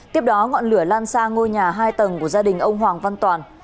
tiếp đó ngọn lửa lan sang ngôi nhà hai tầng của gia đình ông hoàng văn toàn